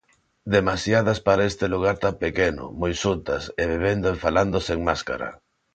Demasiadas para este lugar tan pequeno, moi xuntas, e bebendo e falando sen máscara.